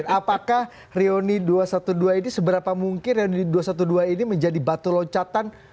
apakah reuni dua ratus dua belas ini seberapa mungkin reuni dua ratus dua belas ini menjadi batu loncatan